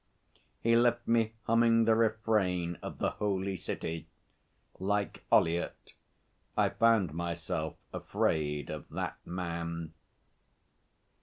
He left me humming the refrain of 'The Holy City.' Like Ollyett I found myself afraid of that man.